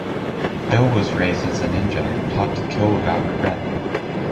Doe was raised as a ninja, taught to kill without regret.